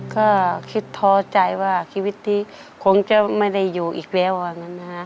ก็คิดท้อใจว่าชีวิตนี้คงจะไม่ได้อยู่อีกแล้วว่างั้นนะฮะ